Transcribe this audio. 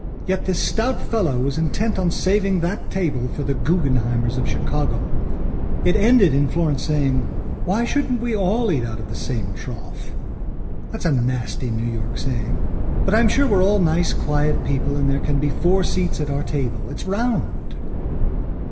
Yet this stout fellow was intent on saving that table for the Guggenheimers of Chicago. It ended in Florence saying: "Why shouldn't we all eat out of the same trough?that's a nasty New York saying. But I'm sure we're all nice quiet people and there can be four seats at our table. It's round."